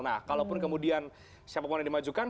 nah kalaupun kemudian siapa pun yang dimajukan